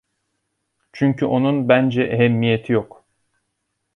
Çünkü onun bence ehemmiyeti yok.